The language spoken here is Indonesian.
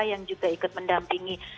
yang juga ikut mendampingi